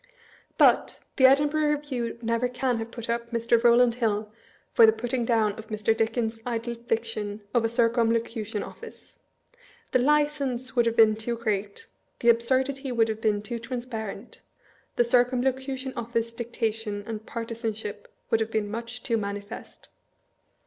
But, the Edinburgh Review never can have put up Mr. Eowland Hill for the putting down of Mr. Dickens' idle fiction of a Circumlocution Office. The " license " would have been too great, the absurdity would have been too transparent, the Circumlocution Office dictation and partisanship would have been much too manifest.